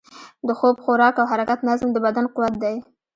د خوب، خوراک او حرکت نظم، د بدن قوت دی.